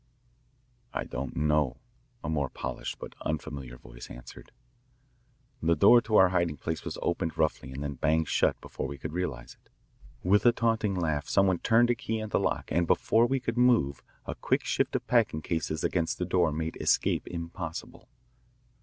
"I don't know," a more polished but unfamiliar voice answered. The door to our hiding place was opened roughly and then banged shut before we realised it. With a taunting laugh, some one turned a key in the lock and before we could move a quick shift of packing cases against the door made escape impossible.